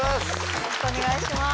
よろしくお願いします。